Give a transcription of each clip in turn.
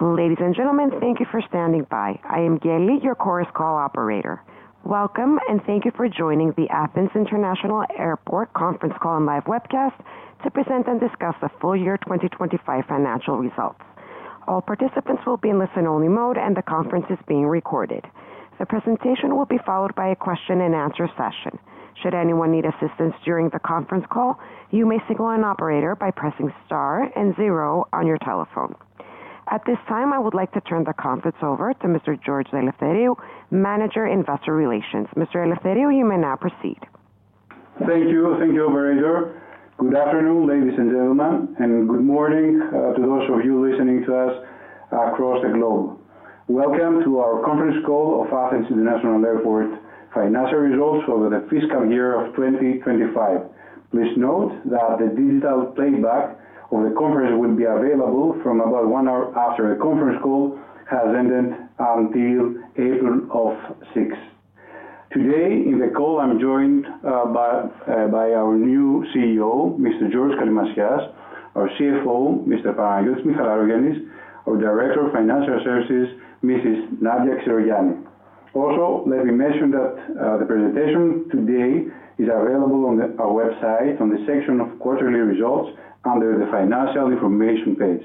Ladies and gentlemen, thank you for standing by. I am Geli, your chorus call Operator. Welcome, and thank you for joining the Athens International Airport conference call and live webcast to present and discuss the full year 2025 financial results. All participants will be in listen only mode, and the conference is being recorded. The presentation will be followed by a question and answer session. Should anyone need assistance during the conference call, you may signal an operator by pressing star and zero on your telephone. At this time, I would like to turn the conference over to Mr. George Eleftheriou, Manager, Investor Relations. Mr. Eleftheriou, you may now proceed. Thank you. Thank you, operator. Good afternoon, ladies and gentlemen, and good morning, to those of you listening to us across the globe. Welcome to our conference call of Athens International Airport financial results over the fiscal year of 2025. Please note that the digital playback of the conference will be available from about one hour after the conference call has ended until April 6. Today in the call, I'm joined by our new CEO, Mr. George Kallimasias, our CFO, Mr. Panagiotis Michalakogiannis, our Director of Financial Services, Mrs. Nadia Xirogianni. Also, let me mention that, the presentation today is available on our website on the section of quarterly results under the financial information page.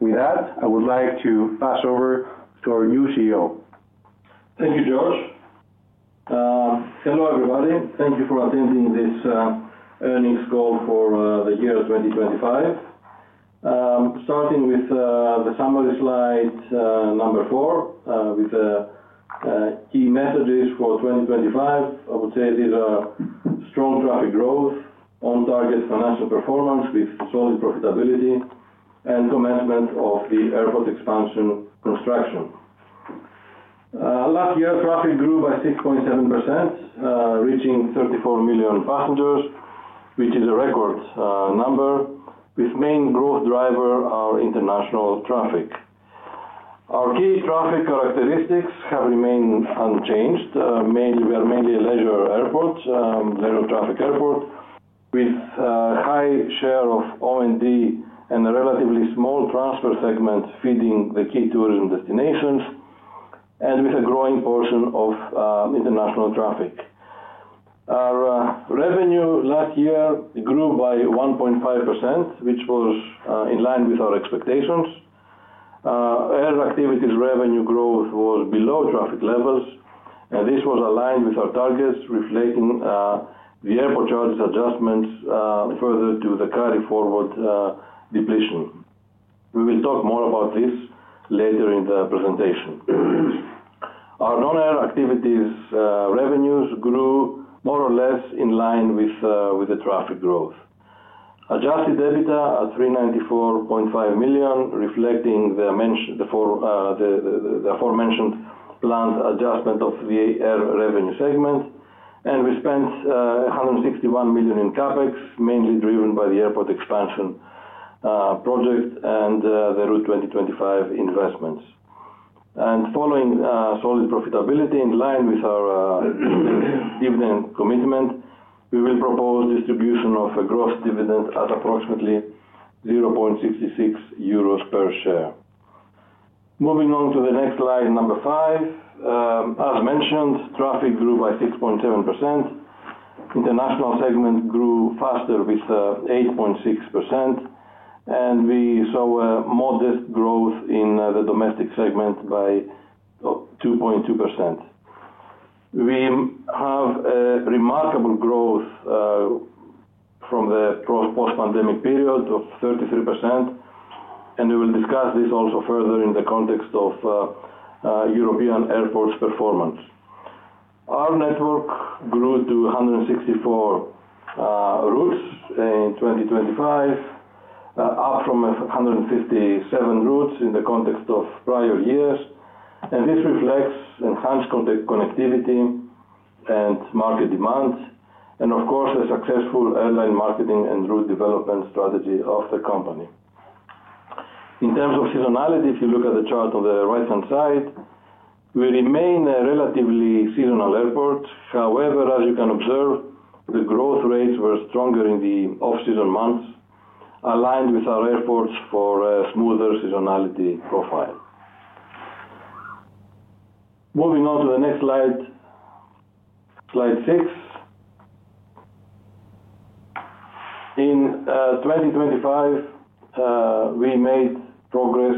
With that, I would like to pass over to our new CEO. Thank you, George. Hello, everybody. Thank you for attending this earnings call for the year 2025. Starting with the summary slide number four with the key messages for 2025, I would say these are strong traffic growth, on target financial performance with solid profitability and commencement of the airport expansion construction. Last year, traffic grew by 6.7%, reaching 34 million passengers, which is a record number with main growth driver our international traffic. Our key traffic characteristics have remained unchanged. Mainly, we are a leisure airport, leisure traffic airport with high share of O&D and a relatively small transfer segment feeding the key tourism destinations and with a growing portion of international traffic. Our revenue last year grew by 1.5%, which was in line with our expectations. Air activities revenue growth was below traffic levels, and this was aligned with our targets, reflecting the airport charges adjustments further to the carry-forward depletion. We will talk more about this later in the presentation. Our non-air activities revenues grew more or less in line with the traffic growth. Adjusted EBITDA at 394.5 million, reflecting the aforementioned planned adjustment of the air revenue segment. We spent 161 million in CapEx, mainly driven by the airport expansion project and the ROUTE 2025 investments. Following solid profitability in line with our dividend commitment, we will propose distribution of a gross dividend at approximately 0.66 euros per share. Moving on to the next slide, number five. As mentioned, traffic grew by 6.7%. International segment grew faster with 8.6%, and we saw a modest growth in the domestic segment by 2.2%. We have a remarkable growth from the post-pandemic period of 33%, and we will discuss this also further in the context of European airports performance. Our network grew to 164 routes in 2025, up from 157 routes in the context of prior years. This reflects enhanced connectivity and market demands and of course, a successful airline marketing and route development strategy of the company. In terms of seasonality, if you look at the chart on the right-hand side, we remain a relatively seasonal airport. However, as you can observe, the growth rates were stronger in the off-season months, aligned with our efforts for a smoother seasonality profile. Moving on to the next slide six. In 2025, we made progress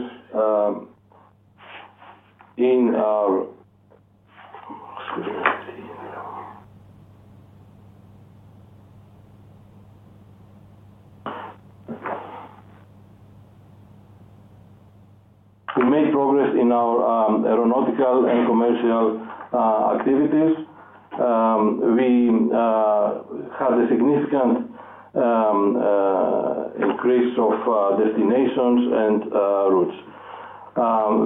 in our aeronautical and commercial activities. We had a significant increase of destinations and routes.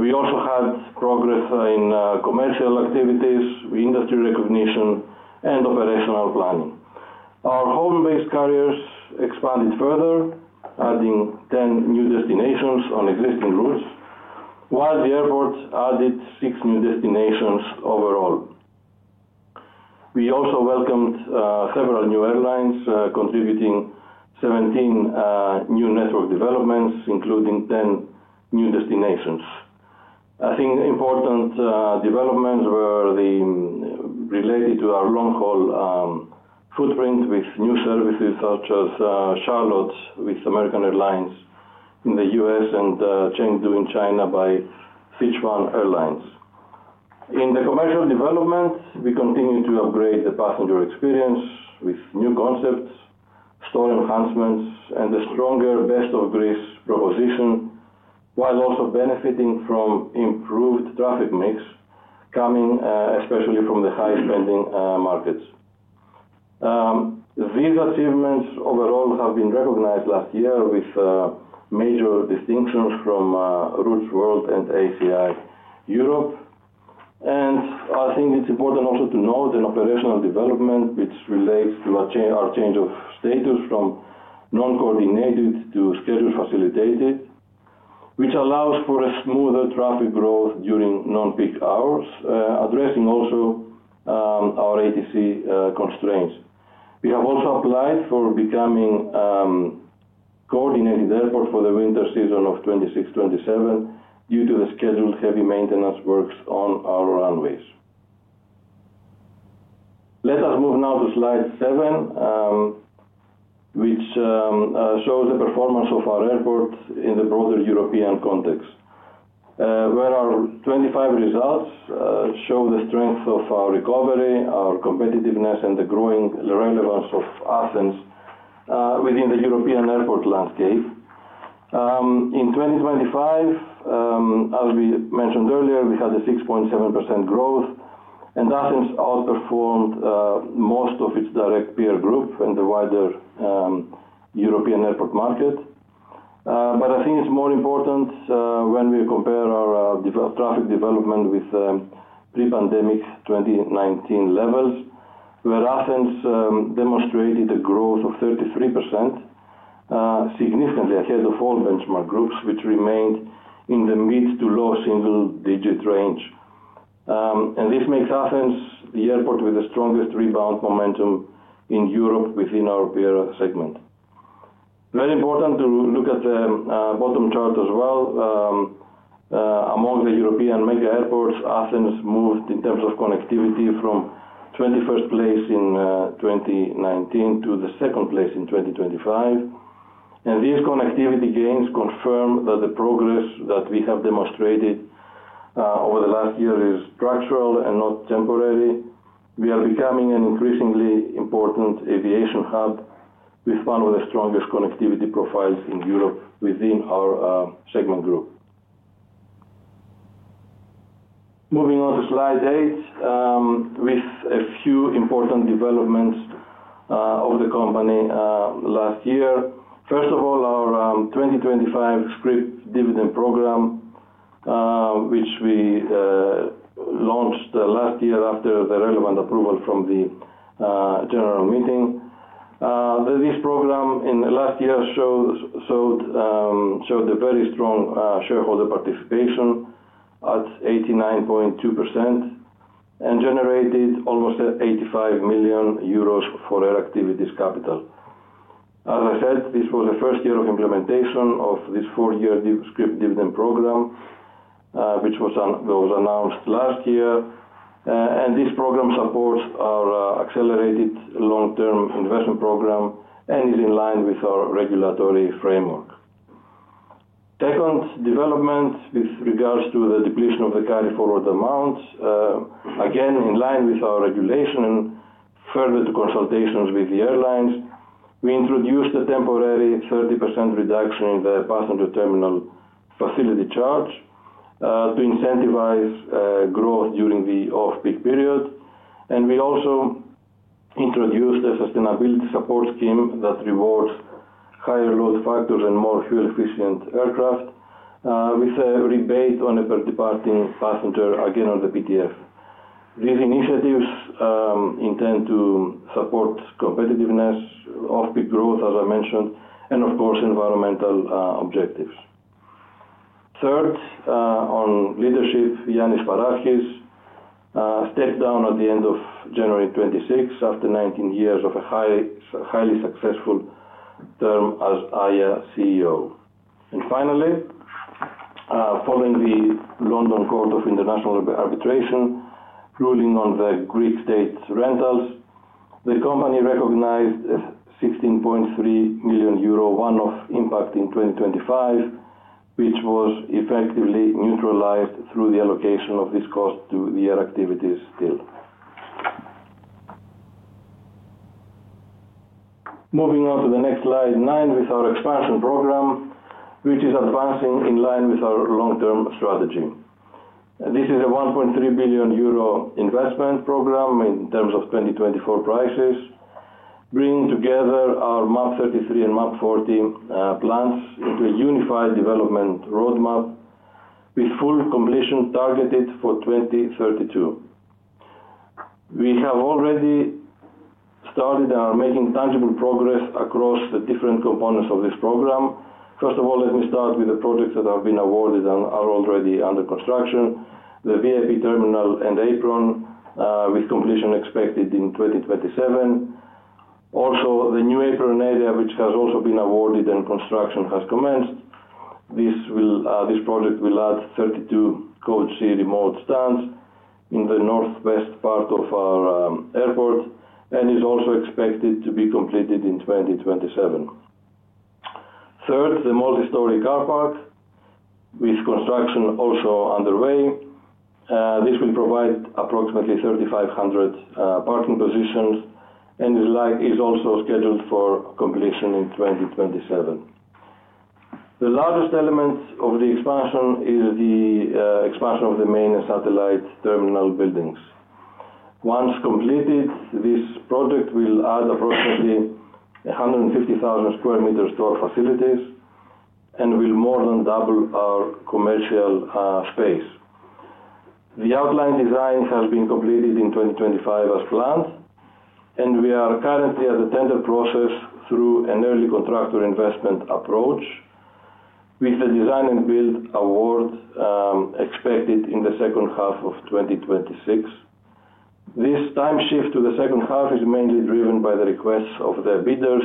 We also had progress in commercial activities, industry recognition and operational planning. Our home-based carriers expanded further, adding 10 new destinations on existing routes, while the airport added six new destinations overall. We also welcomed several new airlines contributing 17 new network developments, including 10 new destinations. I think important developments were those related to our long-haul footprint with new services such as Charlotte with American Airlines in the U.S. and Chengdu in China by Sichuan Airlines. In the commercial developments, we continue to upgrade the passenger experience with new concepts, store enhancements, and a stronger Best of Greece proposition, while also benefiting from improved traffic mix coming especially from the high-spending markets. These achievements overall have been recognized last year with major distinctions from Routes World and ACI Europe. I think it's important also to note an operational development which relates to our change of status from non-coordinated to Schedules Facilitated, which allows for a smoother traffic growth during non-peak hours addressing also our ATC constraints. We have also applied for becoming coordinated airport for the winter season of 2026-2027 due to the scheduled heavy maintenance works on our runways. Let us move now to slide seven, which shows the performance of our airport in the broader European context, where our 2025 results show the strength of our recovery, our competitiveness, and the growing relevance of Athens within the European airport landscape. In 2025, as we mentioned earlier, we had a 6.7% growth, and Athens outperformed most of its direct peer group and the wider European airport market. I think it's more important when we compare our traffic development with pre-pandemic 2019 levels, where Athens demonstrated a growth of 33%, significantly ahead of all benchmark groups, which remained in the mid- to low single-digit range. This makes Athens the airport with the strongest rebound momentum in Europe within our peer segment. Very important to look at the bottom chart as well. Among the European mega airports, Athens moved in terms of connectivity from 21st place in 2019 to the 2nd place in 2025. These connectivity gains confirm that the progress that we have demonstrated over the last year is structural and not temporary. We are becoming an increasingly important aviation hub with one of the strongest connectivity profiles in Europe within our segment group. Moving on to slide eight, with a few important developments of the company last year. First of all, our 2025 scrip dividend program, which we launched last year after the relevant approval from the general meeting. This program in the last year showed a very strong shareholder participation at 89.2% and generated almost 85 million euros for air activities capital. As I said, this was the first year of implementation of this four-year scrip dividend program, which was announced last year. This program supports our accelerated long-term investment program and is in line with our regulatory framework. Second development with regards to the depletion of the carry-forward amount, again, in line with our regulation and further to consultations with the airlines, we introduced a temporary 30% reduction in the passenger terminal facility charge, to incentivize growth during the off-peak period. We also introduced a sustainability support scheme that rewards higher load factors and more fuel-efficient aircraft, with a rebate on a per departing passenger, again, on the PTF. These initiatives intend to support competitiveness, off-peak growth, as I mentioned, and of course, environmental objectives. Third, on leadership, Yiannis Paraschis stepped down at the end of January 2026 after 19 years of a highly successful term as AIA CEO. Finally, following the London Court of International Arbitration ruling on the Greek state rentals, the company recognized a 16.3 million euro one-off impact in 2025, which was effectively neutralized through the allocation of this cost to the air activities capital. Moving on to the next slide nine with our expansion program, which is advancing in line with our long-term strategy. This is a 1.3 billion euro investment program in terms of 2024 prices, bringing together our MAP 33 and MAP 40 plans into a unified development roadmap with full completion targeted for 2032. We have already started and are making tangible progress across the different components of this program. First of all, let me start with the projects that have been awarded and are already under construction. The VIP Terminal and apron with completion expected in 2027. Also, the new apron area, which has also been awarded and construction has commenced. This project will add 32 Code C remote stands in the northwest part of our airport, and is also expected to be completed in 2027. Third, the multi-story car park with construction also underway. This will provide approximately 3,500 parking positions, and this like is also scheduled for completion in 2027. The largest element of the expansion is the expansion of the main and satellite terminal buildings. Once completed, this project will add approximately 150,000 sq m to our facilities and will more than double our commercial space. The outline design has been completed in 2025 as planned, and we are currently at the tender process through an early contractor involvement approach, with the design and build award expected in the second half of 2026. This time shift to the second half is mainly driven by the requests of the bidders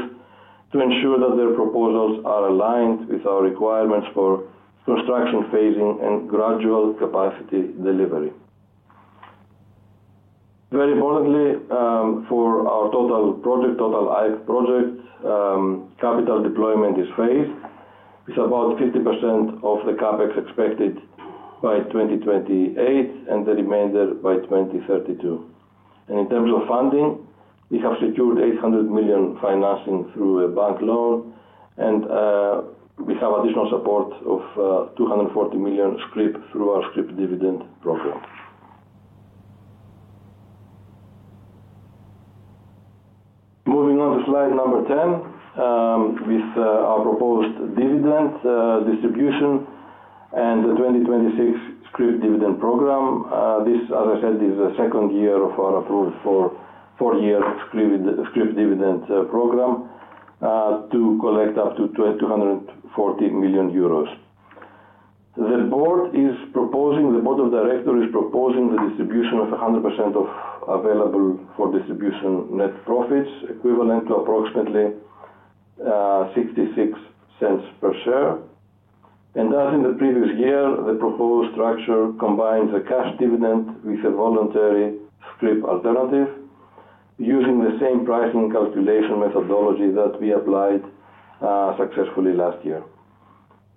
to ensure that their proposals are aligned with our requirements for construction phasing and gradual capacity delivery. Very importantly, for our total project, total life project, capital deployment is phased with about 50% of the CapEx expected by 2028 and the remainder by 2032. In terms of funding, we have secured 800 million financing through a bank loan and we have additional support of 240 million scrip through our scrip dividend program. Moving on to slide number 10 with our proposed dividend distribution and the 2026 scrip dividend program. This, as I said, is the second year of our approved 4-year scrip dividend program to collect up to 240 million euros. The board of directors is proposing the distribution of 100% of available for distribution net profits, equivalent to approximately 0.66 per share. As in the previous year, the proposed structure combines a cash dividend with a voluntary scrip alternative using the same pricing calculation methodology that we applied successfully last year.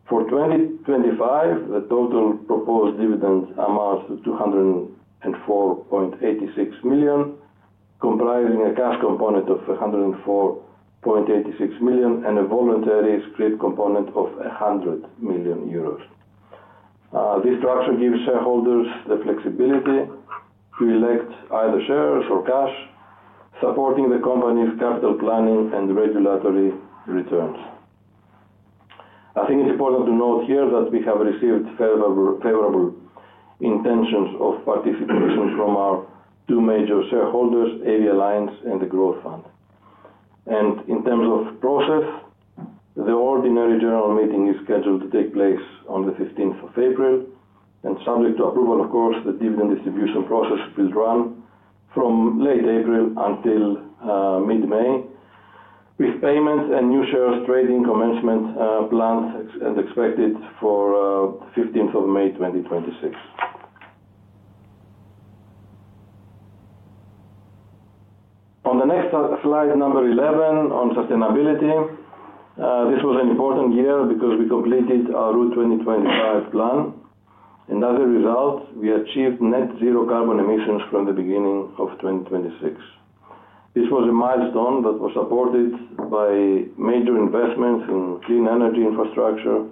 For 2025, the total proposed dividend amounts to 204.86 million, comprising a cash component of 104.86 million and a voluntary scrip component of 100 million euros. This structure gives shareholders the flexibility to elect either shares or cash, supporting the company's capital planning and regulatory returns. I think it's important to note here that we have received favorable intentions of participation from our two major shareholders, AviAlliance and Growthfund. In terms of process, the ordinary general meeting is scheduled to take place on the 15th of April, and subject to approval, of course, the dividend distribution process will run from late April until mid-May, with payments and new shares trading commencement planned and expected for 15th of May 2026. On the next slide number 11 on sustainability, this was an important year because we completed our Route 2025 plan. As a result, we achieved net zero carbon emissions from the beginning of 2026. This was a milestone that was supported by major investments in clean energy infrastructure,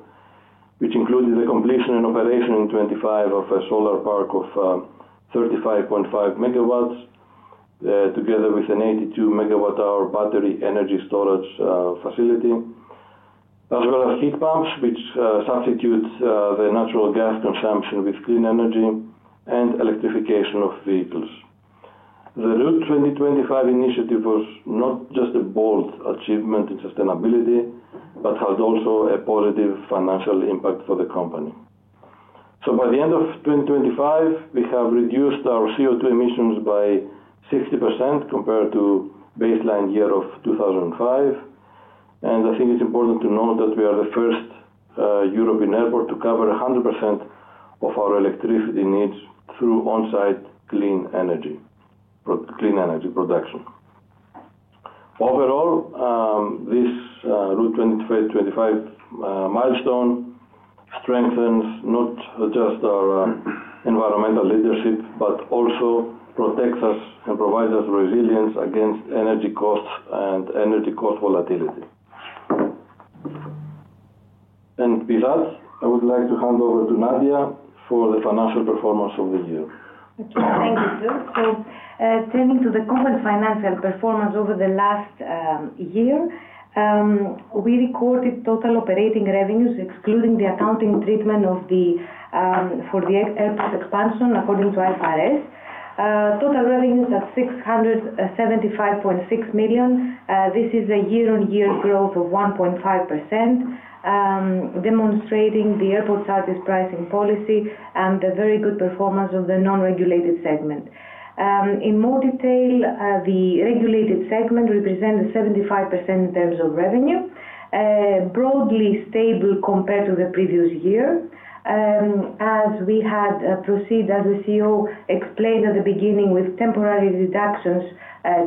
which included the completion and operation in 2025 of a solar park of 35.5 MW, together with an 82 MWh battery energy storage facility. As well as heat pumps, which substitutes the natural gas consumption with clean energy and electrification of vehicles. The Route 2025 initiative was not just a bold achievement in sustainability, but had also a positive financial impact for the company. By the end of 2025, we have reduced our CO2 emissions by 60% compared to baseline year of 2005. I think it's important to note that we are the first European airport to cover 100% of our electricity needs through on-site clean energy production. Overall, this ROUTE 2025 milestone strengthens not just our environmental leadership, but also protects us and provides us resilience against energy costs and energy cost volatility. With that, I would like to hand over to Nadia for the financial performance of the year. Okay, thank you, George. Turning to the company's financial performance over the last year, we recorded total operating revenues excluding the accounting treatment for the AIA's expansion according to IFRS. Total revenues at 675.6 million. This is a year-on-year growth of 1.5%, demonstrating the airport charges pricing policy and the very good performance of the non-regulated segment. In more detail, the regulated segment represented 75% in terms of revenue, broadly stable compared to the previous year. As we had proceeded, as the CEO explained at the beginning, with temporary reductions,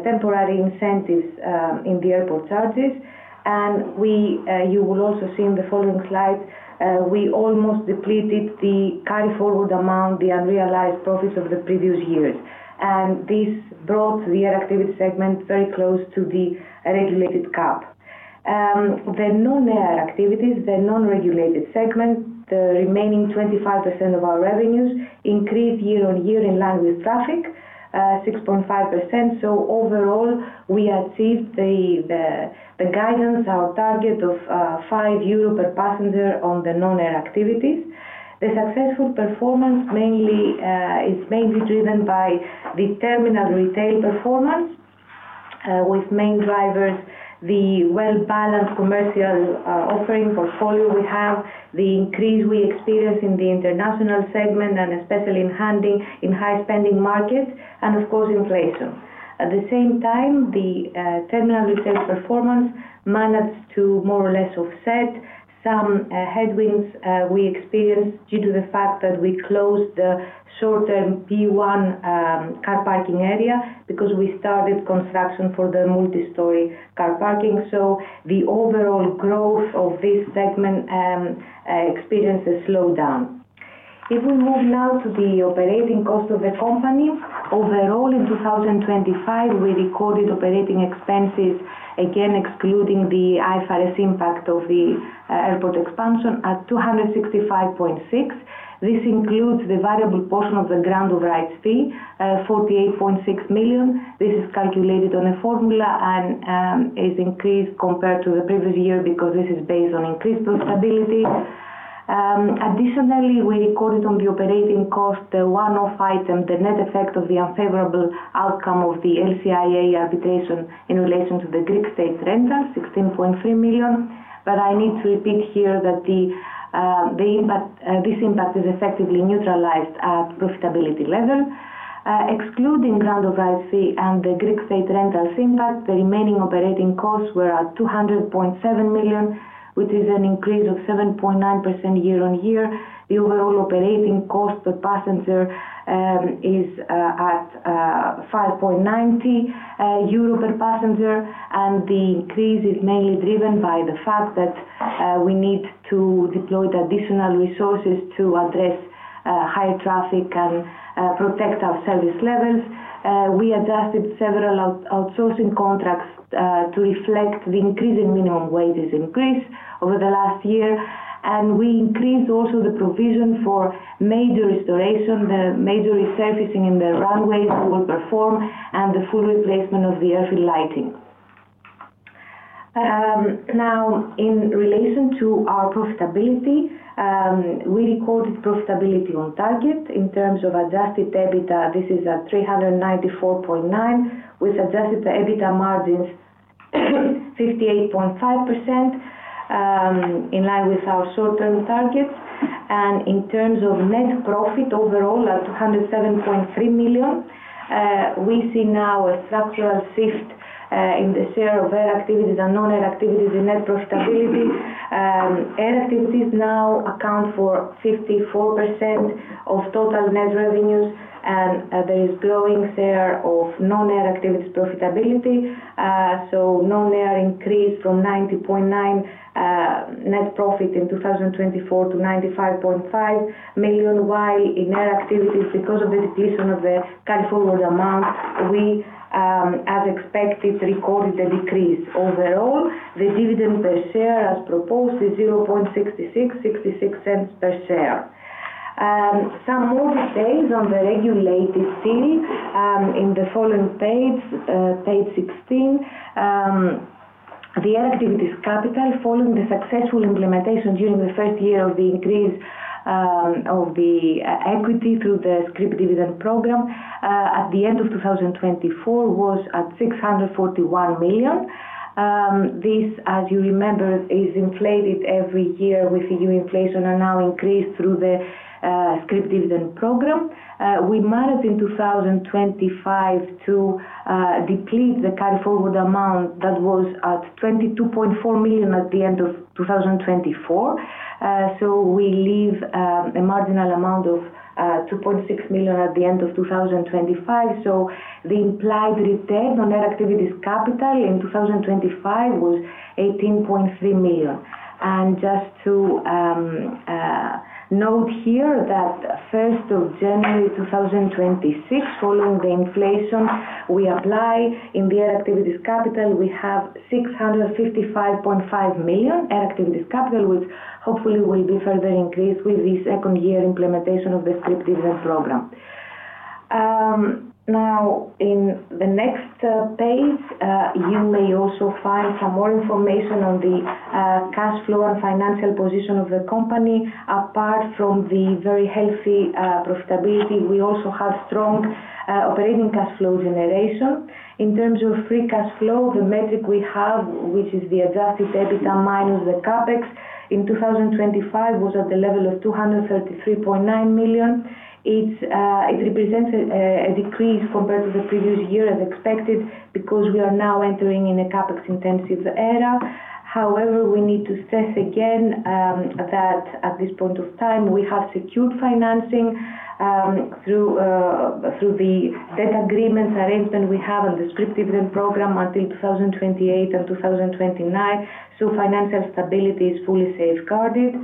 temporary incentives, in the airport charges. You will also see in the following slide, we almost depleted the carry-forward amount, the unrealized profits of the previous years. This brought the air activity segment very close to the regulated cap. The non-air activities, the non-regulated segment, the remaining 25% of our revenues increased year-on-year in line with traffic, 6.5%. Overall, we achieved the guidance, our target of 5 euro per passenger on the non-air activities. The successful performance mainly is mainly driven by the terminal retail performance, with main drivers, the well-balanced commercial offering portfolio we have, the increase we experience in the international segment and especially in landing in high-spending markets and, of course, inflation. At the same time, the terminal retail performance managed to more or less offset some headwinds we experienced due to the fact that we closed the short-term P1 car parking area because we started construction for the multi-story car parking. The overall growth of this segment experienced a slowdown. If we move now to the operating cost of the company. Overall, in 2025, we recorded operating expenses, again excluding the IFRS impact of the airport expansion at 265.6 million. This includes the variable portion of the Grant of Rights Fee, 48.6 million. This is calculated on a formula and is increased compared to the previous year because this is based on increased profitability. Additionally, we recorded on the operating cost the one-off item, the net effect of the unfavorable outcome of the LCIA arbitration in relation to the Greek state rentals, 16.3 million. I need to repeat here that this impact is effectively neutralized at profitability level. Excluding ground overrides fee and the Greek state rentals impact, the remaining operating costs were at 200.7 million, which is an increase of 7.9% year-on-year. The overall operating cost per passenger is at 5.90 euro per passenger, and the increase is mainly driven by the fact that we need to deploy the additional resources to address higher traffic and protect our service levels. We adjusted several outsourcing contracts to reflect the increase in minimum wages increase over the last year. We increased also the provision for major restoration, the major resurfacing in the runways we will perform and the full replacement of the airfield lighting. Now in relation to our profitability, we recorded profitability on target. In terms of Adjusted EBITDA, this is at 394.9, with Adjusted EBITDA margins 58.5%, in line with our short-term targets. In terms of net profit overall at 207.3 million, we see now a structural shift in the share of air activities and non-air activities in net profitability. Air activities now account for 54% of total net revenues, and there is growing share of non-air activities profitability. Non-air increased from 90.9 million net profit in 2024 to 95.5 million, while in air activities, because of the depletion of the carry-forward amount, we, as expected, recorded a decrease. Overall, the dividend per share as proposed is 0.66 cents per share. Some more details on the regulated fee in the following page 16. The air activities capital following the successful implementation during the first year of the increase of the equity through the scrip dividend program at the end of 2024 was at 641 million. This, as you remember, is inflated every year with EU inflation and now increased through the scrip dividend program. We managed in 2025 to deplete the carry forward amount that was at 22.4 million at the end of 2024. We leave a marginal amount of 2.6 million at the end of 2025. The implied return on air activities capital in 2025 was 18.3 million. Just to note here that January 1, 2026, following the inflation we apply in the air activities capital, we have 655.5 million air activities capital, which hopefully will be further increased with the second year implementation of the scrip dividend program. Now in the next page, you may also find some more information on the cash flow and financial position of the company. Apart from the very healthy profitability, we also have strong operating cash flow generation. In terms of free cash flow, the metric we have, which is the Adjusted EBITDA minus the CapEx, in 2025 was at the level of 233.9 million. It represents a decrease compared to the previous year as expected because we are now entering in a CapEx intensive era. However, we need to stress again that at this point of time we have secured financing through the debt agreement arrangement we have on the scrip dividend program until 2028 and 2029. Financial stability is fully safeguarded.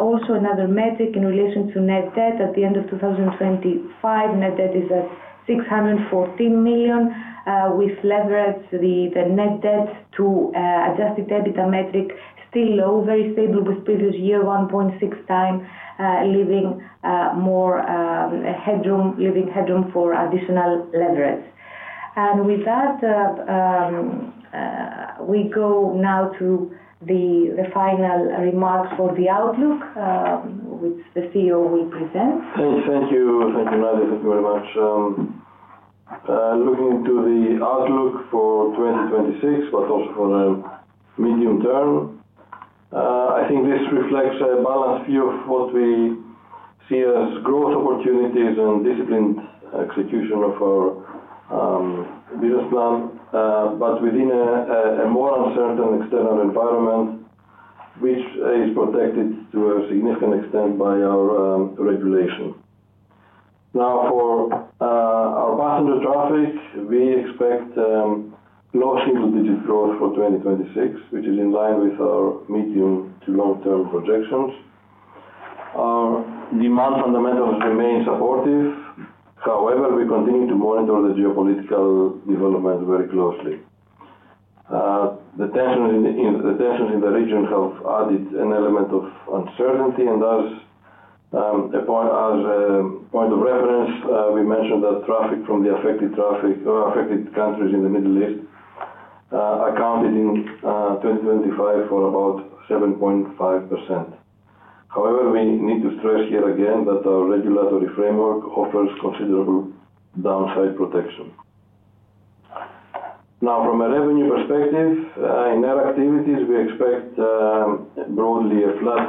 Also, another metric in relation to net debt. At the end of 2025, net debt is at 614 million. We've leveraged the net debt to Adjusted EBITDA metric, still low, very stable with previous year 1.6x, leaving more headroom for additional leverage. With that, we go now to the final remarks for the outlook, which the CEO will present. Thank you. Thank you, Nadia. Thank you very much. Looking into the outlook for 2026, but also for the medium term, I think this reflects a balanced view of what we see as growth opportunities and disciplined execution of our business plan, but within a more uncertain external environment which is protected to a significant extent by our regulation. Now, for our passenger traffic, we expect low single digit growth for 2026, which is in line with our medium to long term projections. Our demand fundamentals remain supportive. However, we continue to monitor the geopolitical development very closely. The tension in the region have added an element of uncertainty and as a point of reference, we mentioned that traffic from the affected countries in the Middle East accounted in 2025 for about 7.5%. However, we need to stress here again that our regulatory framework offers considerable downside protection. Now, from a revenue perspective, in our activities we expect broadly a flat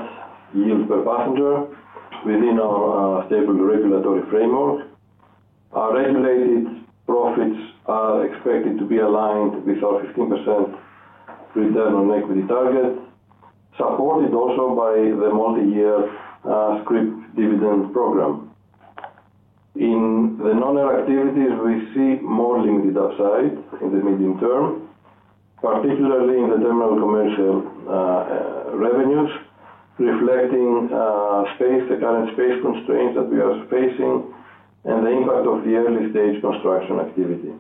yield per passenger within our stable regulatory framework. Our regulated profits are expected to be aligned with our 15% return on equity target, supported also by the multi-year scrip dividend program. In the non-air activities, we see more limited upside in the medium term, particularly in the terminal commercial revenues, reflecting the current space constraints that we are facing and the impact of the early stage construction activity.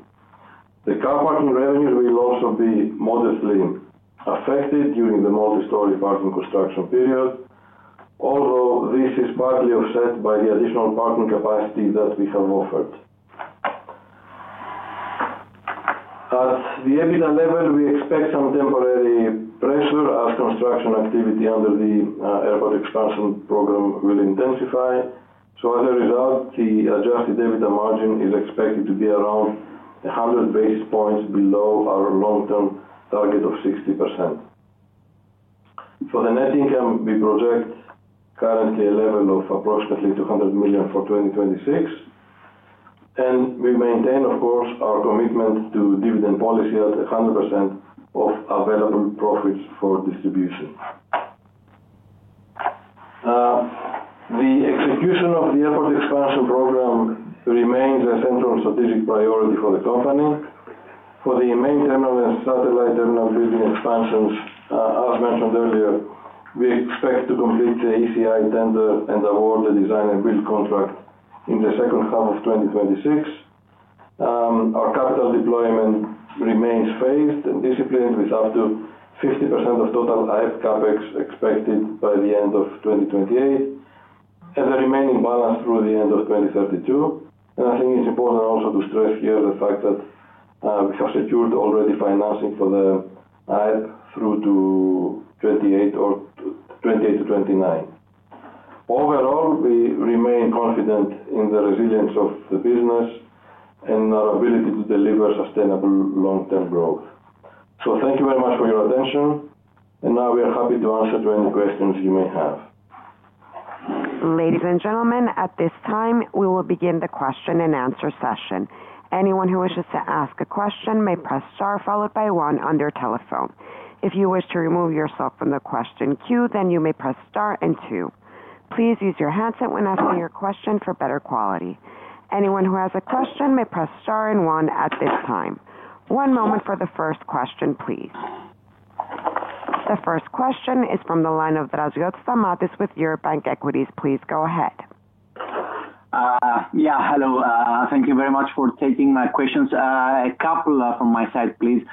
The car parking revenues will also be modestly affected during the multi-story parking construction period, although this is partly offset by the additional parking capacity that we have offered. At the EBITDA level, we expect some temporary pressure as construction activity under the airport expansion program will intensify. As a result, the Adjusted EBITDA margin is expected to be around 100 basis points below our long-term target of 60%. For the net income, we project currently a level of approximately 200 million for 2026, and we maintain, of course, our commitment to dividend policy at 100% of available profits for distribution. The execution of the airport expansion program remains a central strategic priority for the company. For the main terminal and satellite terminal building expansions, as mentioned earlier, we expect to complete the ECI tender and award the design and build contract in the second half of 2026. Our capital deployment remains phased and disciplined, with up to 50% of total IP CapEx expected by the end of 2028 and the remaining balance through the end of 2032. I think it's important also to stress here the fact that we have secured already financing for the IP through to 2028 or 2028 to 2029. Overall, we remain confident in the resilience of the business and our ability to deliver sustainable long-term growth. Thank you very much for your attention and now we are happy to answer to any questions you may have. Ladies and gentlemen, at this time we will begin the question and answer session. Anyone who wishes to ask a question may press star followed by one on their telephone. If you wish to remove yourself from the question queue, then you may press star and two. Please use your handset when asking your question for better quality. Anyone who has a question may press star and one at this time. One moment for the first question, please. The first question is from the line of Lazaros Stamatiadis with Eurobank Equities. Please go ahead. Yeah. Hello. Thank you very much for taking my questions. A couple from my side, please.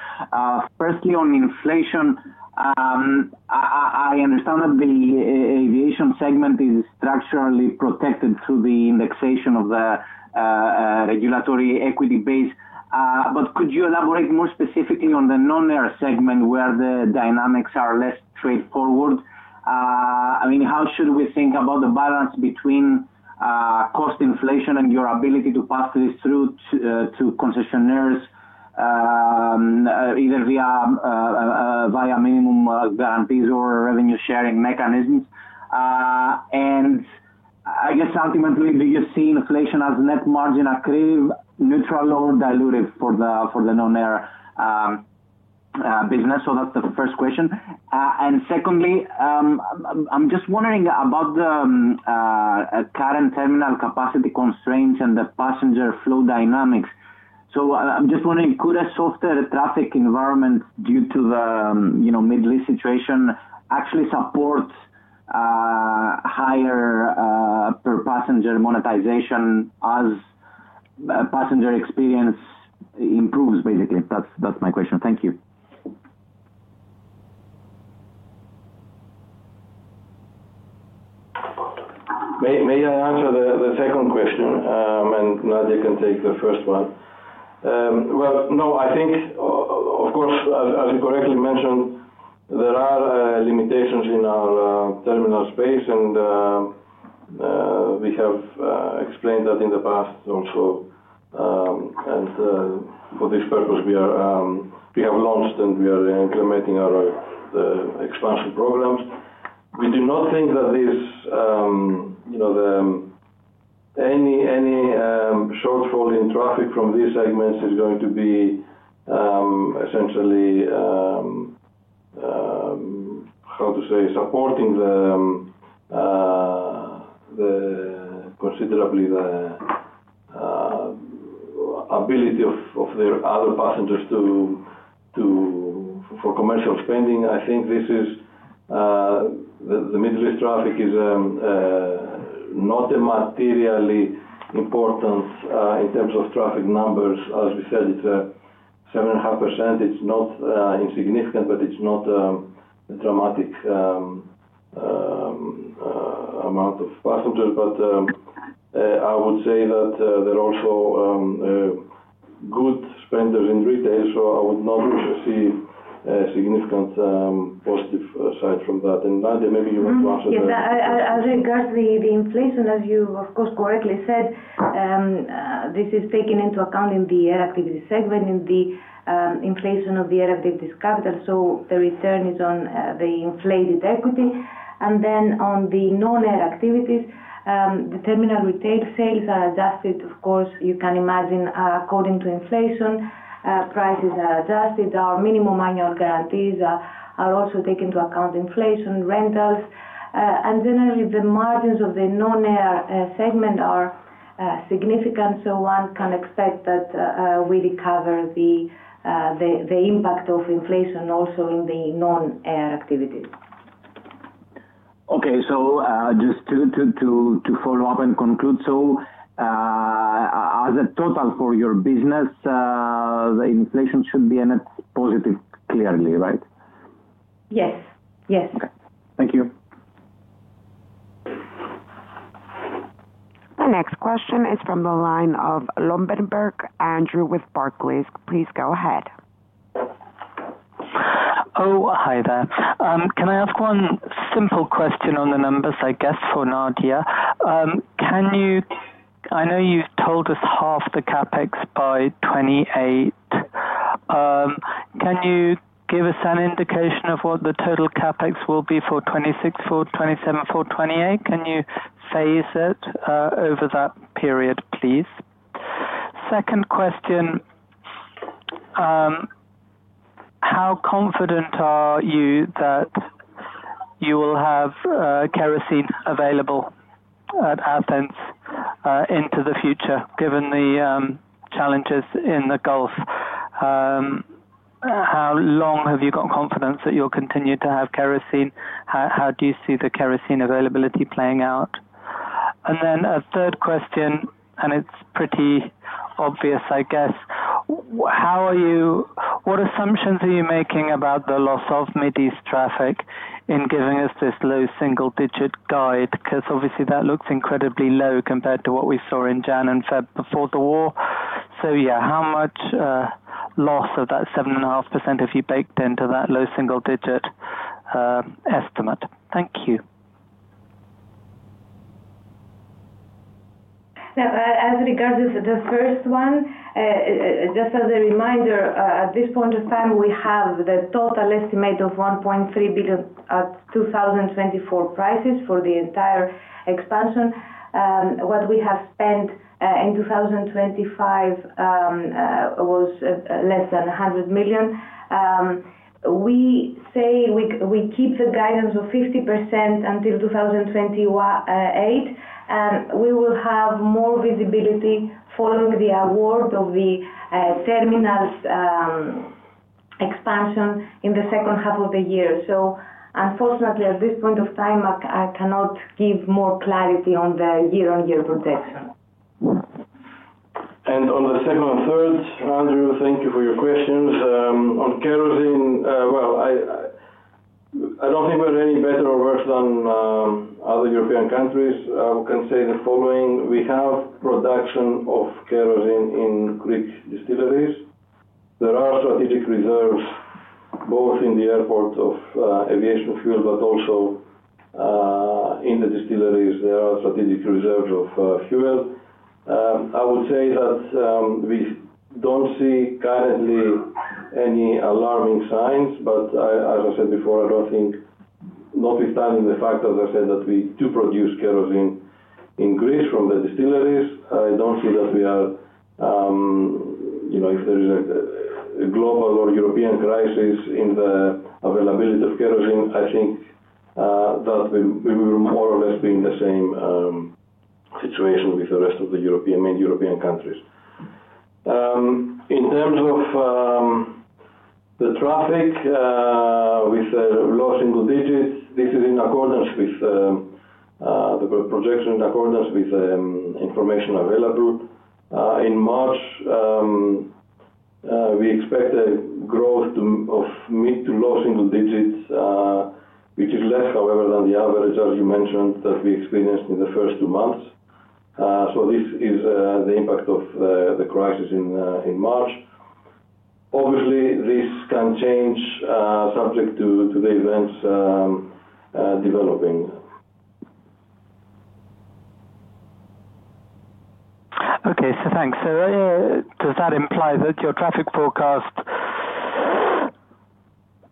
Firstly, on inflation, I understand that the aviation segment is structurally protected through the indexation of the regulatory equity base. Could you elaborate more specifically on the non-air segment where the dynamics are less straightforward? I mean, how should we think about the balance between cost inflation and your ability to pass this through to concessionaires, either via minimum guarantees or revenue sharing mechanisms? I guess ultimately, do you see inflation as net margin accretive, neutral or dilutive for the non-air business? That's the first question. Secondly, I'm just wondering about the current terminal capacity constraints and the passenger flow dynamics. I'm just wondering, could a softer traffic environment due to the, you know, Middle East situation actually support higher per passenger monetization as passenger experience improves, basically? That's my question. Thank you. May I answer the second question, and Nadia can take the first one. Well, no, I think of course, as you correctly mentioned, there are limitations in our terminal space and we have explained that in the past also. For this purpose we have launched and we are implementing our expansion programs. We do not think that this, you know, any shortfall in traffic from these segments is going to be essentially how to say supporting considerably the ability of their other passengers to afford commercial spending. I think this is the Middle East traffic is not a materially important in terms of traffic numbers. As we said, it's 7.5%. It's not insignificant, but it's not a dramatic amount of passengers. I would say that they're also good spenders in retail, so I would not wish to see a significant positive side from that. Nadia, maybe you want to answer the first question. I'll regard the inflation, as you of course correctly said, this is taken into account in the air activity segment, in the inflation of the air activities capital. The return is on the inflated equity. On the non-air activities, the terminal retail sales are adjusted, of course you can imagine, according to inflation, prices are adjusted. Our minimum annual guarantees are also take into account inflation rentals. Generally the margins of the non-air segment are significant, one can expect that we recover the impact of inflation also in the non-air activities. Okay. Just to follow up and conclude. As a total for your business, the inflation should be a net positive clearly, right? Yes. Yes. Okay. Thank you. The next question is from the line of Andrew Lobbenberg with Barclays. Please go ahead. Oh, hi there. Can I ask one simple question on the numbers, I guess, for Nadia. I know you've told us half the CapEx by 2028. Can you give us an indication of what the total CapEx will be for 2026, for 2027, for 2028? Can you phase it over that period, please? Second question, how confident are you that you will have kerosene available at Athens into the future, given the challenges in the Gulf? How long have you got confidence that you'll continue to have kerosene? How do you see the kerosene availability playing out? Then a third question, and it's pretty obvious I guess. What assumptions are you making about the loss of Mid East traffic in giving us this low single digit guide? 'Cause obviously that looks incredibly low compared to what we saw in January and February before the war. Yeah, how much loss of that 7.5% have you baked into that low single-digit estimate? Thank you. Yeah. As regards the first one, just as a reminder, at this point of time, we have the total estimate of 1.3 billion at 2024 prices for the entire expansion. What we have spent in 2025 was less than 100 million. We keep the guidance of 50% until 2028, and we will have more visibility following the award of the terminal's expansion in the second half of the year. Unfortunately at this point of time, I cannot give more clarity on the year-on-year projection. On the second and third, Andrew, thank you for your questions. On kerosene, I don't think we're any better or worse than other European countries. We can say the following: We have production of kerosene in Greek distilleries. There are strategic reserves both in the airport of aviation fuel, but also, in the distilleries there are strategic reserves of fuel. I would say that we don't see currently any alarming signs, but as I said before, I don't think, notwithstanding the fact, as I said, that we do produce kerosene in Greece from the distilleries, I don't see that we are, you know, if there is a global or European crisis in the availability of kerosene, I think that we will more or less be in the same situation with the rest of the European countries. In terms of the traffic with the low single digits%, this is in accordance with the projection in accordance with information available. In March we expect a growth of mid- to low single digits%, which is less, however, than the average, as you mentioned, that we experienced in the first two months. This is the impact of the crisis in March. Obviously, this can change, subject to the events developing. Thanks. Does that imply that your traffic forecast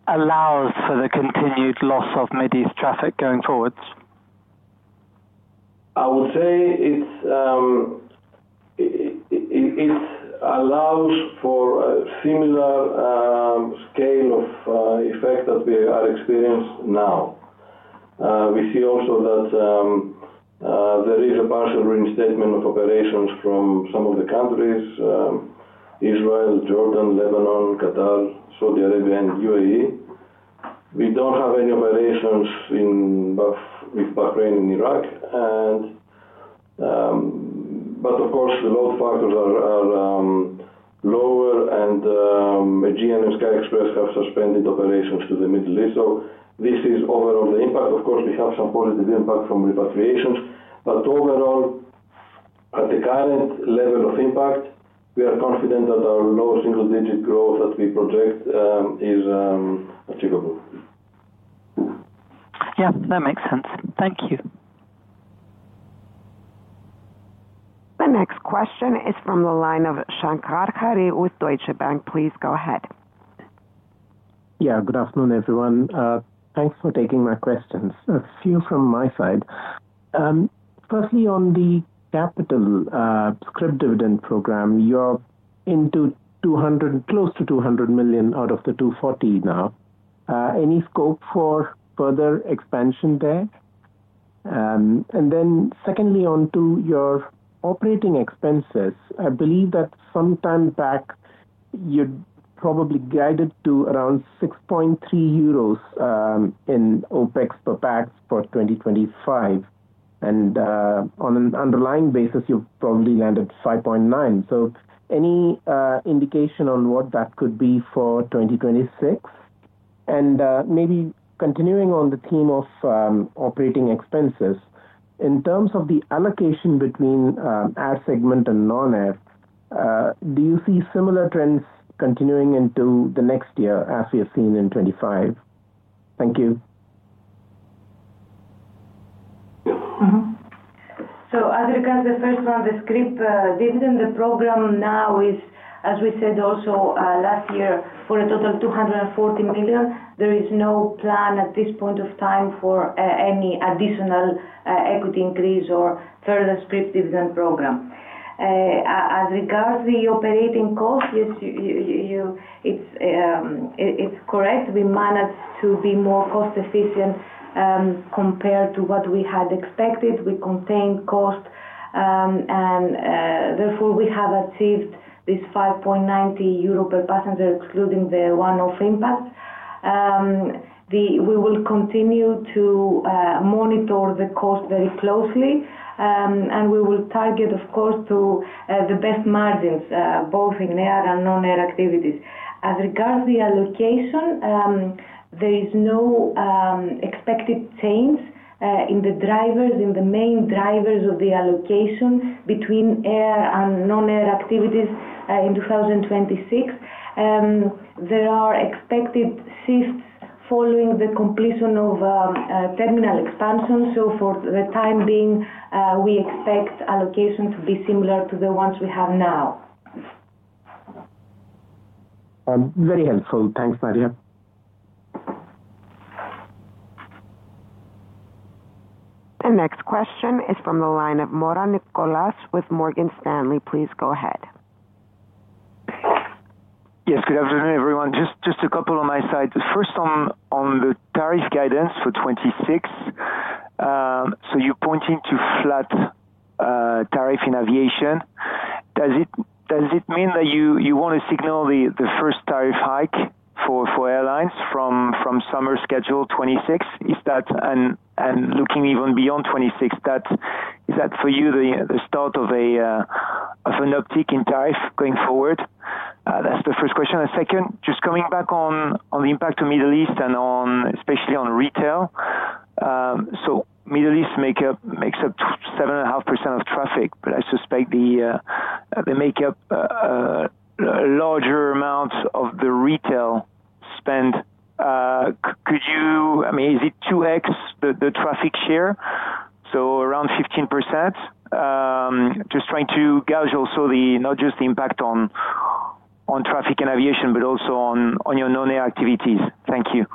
allows for the continued loss of Mideast traffic going forward? I would say it allows for a similar scale of effect that we are experiencing now. We see also that there is a partial reinstatement of operations from some of the countries, Israel, Jordan, Lebanon, Qatar, Saudi Arabia, and UAE. We don't have any operations in Bahrain and Iraq, but of course, the load factors are lower, and Aegean and Sky Express have suspended operations to the Middle East. This is overall the impact. Of course, we have some positive impact from repatriations. Overall, at the current level of impact, we are confident that our low single-digit growth that we project is achievable. Yeah, that makes sense. Thank you. The next question is from the line of Sathish Sivakumar with Deutsche Bank. Please go ahead. Good afternoon, everyone. Thanks for taking my questions. A few from my side. Firstly, on the capital scrip dividend program, you're into 200, close to 200 million out of the 240 now. Any scope for further expansion there? And then secondly, on to your operating expenses. I believe that sometime back you'd probably guided to around 6.3 euros in OpEx per pax for 2025. On an underlying basis, you've probably landed 5.9. Any indication on what that could be for 2026? Maybe continuing on the theme of operating expenses, in terms of the allocation between air segment and non-air, do you see similar trends continuing into the next year as we have seen in 2025? Thank you. Mm-hmm. As regards the first one, the scrip dividend, the program now is, as we said also last year, for a total of 240 million. There is no plan at this point of time for any additional equity increase or further scrip dividend program. As regards the operating cost, yes. It's correct. We managed to be more cost efficient compared to what we had expected. We contained cost and therefore we have achieved this 5.90 euro per passenger, excluding the one-off impact. We will continue to monitor the cost very closely and we will target of course to the best margins both in air and non-air activities. As regards the allocation, there is no expected change in the drivers, in the main drivers of the allocation between air and non-air activities, in 2026. There are expected changes following the completion of terminal expansion. For the time being, we expect allocation to be similar to the ones we have now. Very helpful. Thanks, Nadia. The next question is from the line of Nick Moran with Morgan Stanley. Please go ahead. Yes, good afternoon, everyone. Just a couple on my side. First on the tariff guidance for 2026. So you're pointing to flat tariff in aviation. Does it mean that you wanna signal the first tariff hike for airlines from summer schedule 2026? Is that, and looking even beyond 2026, is that for you the start of an uptick in tariff going forward? That's the first question. The second, just coming back on the impact to Middle East and especially on retail. So Middle East makes up 7.5% of traffic, but I suspect they make up larger amounts of the retail spend. Could you, I mean, is it 2x the traffic share? So around 15%. Just trying to gauge also not just the impact on traffic and aviation but also on your non-air activities. Thank you.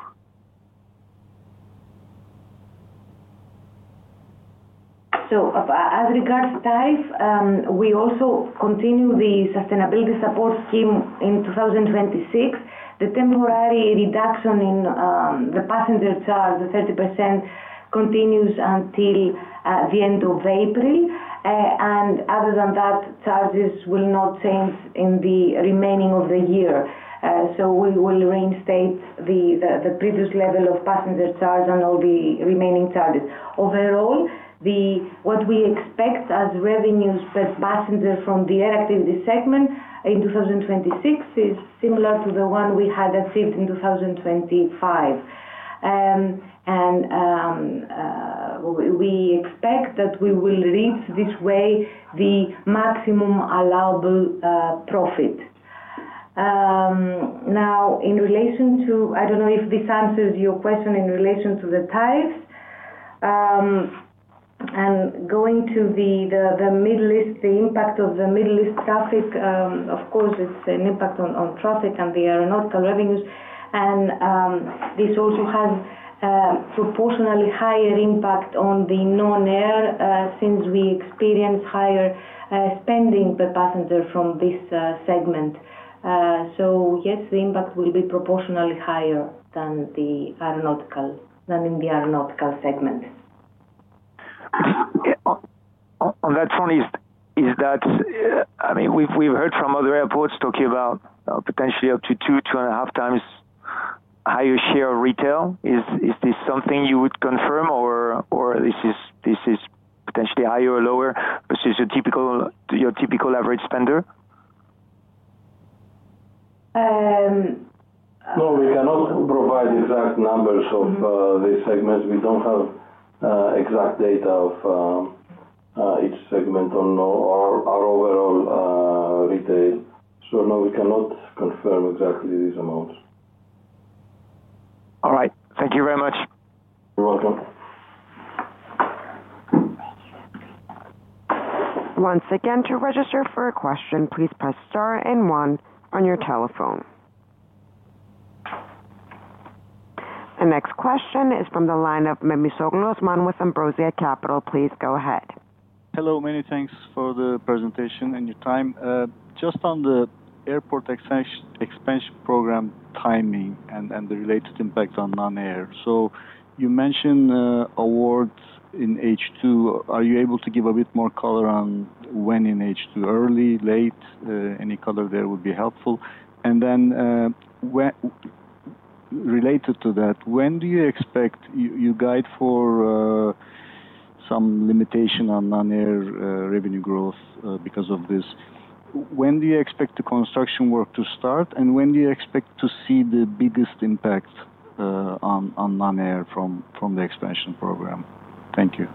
As regards tariffs, we also continue the sustainability support scheme in 2026. The temporary reduction in the passenger charge, the 30%, continues until the end of April. Other than that, charges will not change in the remaining of the year. We will reinstate the previous level of passenger charge on all the remaining charges. Overall, what we expect as revenues per passenger from the air activity segment in 2026 is similar to the one we had achieved in 2025. We expect that we will reach this way the maximum allowable profit. Now in relation to. I don't know if this answers your question in relation to the tariffs. Going to the Middle East, the impact of the Middle East traffic, of course, it's an impact on traffic and the aeronautical revenues. This also has proportionally higher impact on the non-aeronautical since we experience higher spending per passenger from this segment. Yes, the impact will be proportionally higher than in the aeronautical segment. On that front, I mean, we've heard from other airports talking about potentially up to 2.5x higher share of retail. Is this something you would confirm or is this potentially higher or lower versus your typical average spender? Um- No, we cannot provide exact numbers of these segments. We don't have exact data of each segment on our overall retail. No, we cannot confirm exactly these amounts. All right. Thank you very much. You're welcome. Once again, to register for a question, please press star and one on your telephone. The next question is from the line of Oguzhan Memis with Ambrosia Capital. Please go ahead. Hello. Many thanks for the presentation and your time. Just on the airport expansion program timing and the related impact on non-air. You mentioned awards in H2. Are you able to give a bit more color on when in H2, early, late? Any color there would be helpful. Related to that, when do you expect you guide for some limitation on non-air revenue growth because of this. When do you expect the construction work to start, and when do you expect to see the biggest impact on non-air from the expansion program? Thank you.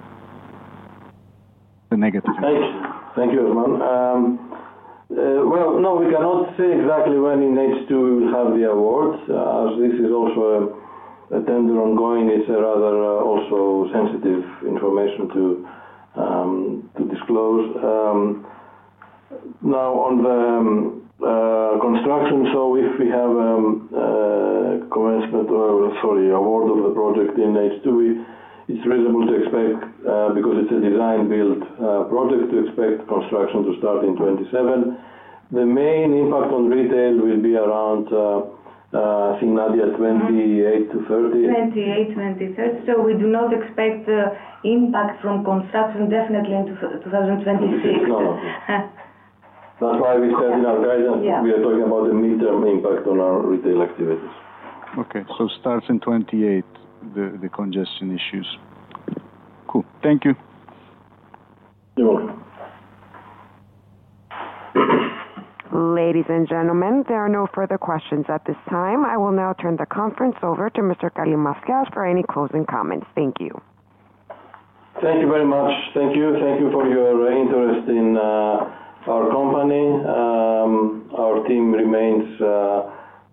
The negative impact. Thank you, Oguzhan. Well, no, we cannot say exactly when in H2 we will have the awards, as this is also a tender ongoing. It's a rather also sensitive information to disclose. Now on the construction. If we have award of the project in H2, it's reasonable to expect, because it's a design build project, to expect construction to start in 2027. The main impact on retail will be around, I think, Nadia, 2028 to 2030. 28, 23rd. We do not expect the impact from construction definitely in 2026. That's why we said in our guidance we are talking about the midterm impact on our retail activities. Okay. Starts in 2028, the congestion issues. Cool. Thank you. You're welcome. Ladies and gentlemen, there are no further questions at this time. I will now turn the conference over to Mr. Kallimasias for any closing comments. Thank you. Thank you very much. Thank you. Thank you for your interest in our company. Our team remains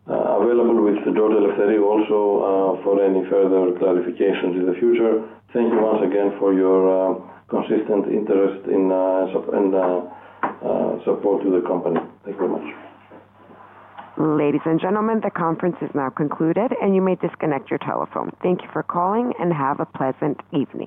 available with George Eleftheriou also for any further clarifications in the future. Thank you once again for your consistent interest in and support to the company. Thank you very much. Ladies and gentlemen, the conference is now concluded, and you may disconnect your telephone. Thank you for calling, and have a pleasant evening.